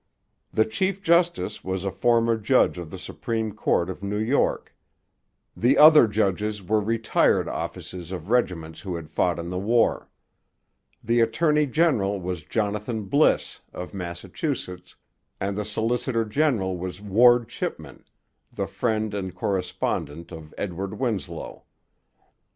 The chief justice was a former judge of the Supreme Court of New York; the other judges were retired officers of regiments who had fought in the war. The attorney general was Jonathan Bliss, of Massachusetts; and the solicitor general was Ward Chipman, the friend and correspondent of Edward Winslow.